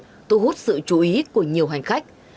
lần đầu tiên xuất hiện thu hút sự chú ý của nhiều hành khách